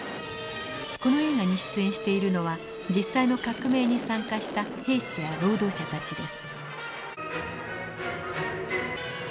この映画に出演しているのは実際の革命に参加した兵士や労働者たちです。